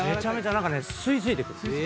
何かね吸い付いてくる。